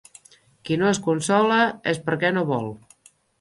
Qui no es consola és perquè no vol.